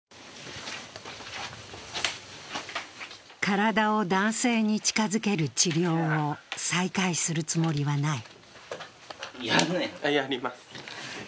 体を男性に近づける治療を再開するつもりはない。